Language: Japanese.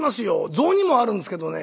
雑煮もあるんですけどね」。